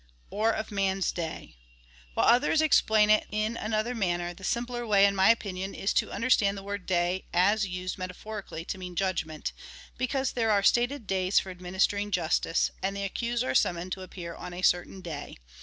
2 Or of mans day. While others explain it in another manner, the simpler way, in my opinion, is to understand the word day as used metaphorically to mean judgment, be cause there are stated days for administering justice, and the accused are summoned to appear on a certain day.